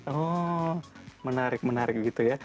oh menarik menarik gitu ya